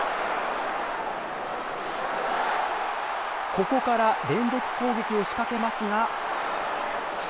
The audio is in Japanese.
ここから連続攻撃を仕掛けますが。